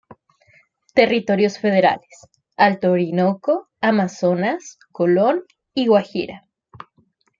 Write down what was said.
Territorios Federales: Alto Orinoco, Amazonas, Colón y Guajira.